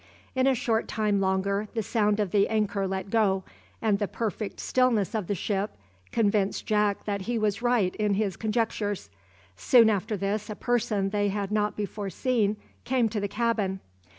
In a short time longer, the sound of the anchor let go, and the perfect stillness of the ship, convinced Jack that he was right in his conjectures. Soon after this a person they had not before seen came to the cabin.